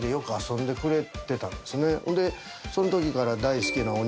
んでその時から。